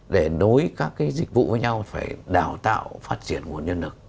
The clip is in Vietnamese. để nối các cái dịch vụ với nhau phải đào tạo phát triển nguồn nhân lực